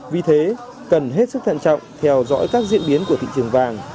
vì thế cần hết sức thận trọng theo dõi các diễn biến của thị trường vàng